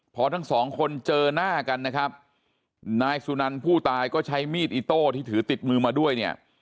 พอทั้งสองคนเจอหน้ากันนะครับนายสุนันผู้ตายก็ใช้มีดอิโต้ที่ถือติดมือมาด้วยเนี่ย